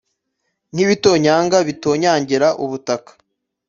nk’ibitonyanga bitonyangira ubutaka.